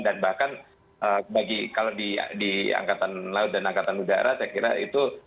dan bahkan bagi kalau di angkatan laut dan angkatan udara saya kira itu